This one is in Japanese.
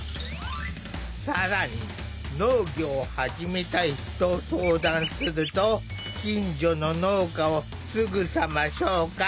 更に農業を始めたいと相談すると近所の農家をすぐさま紹介。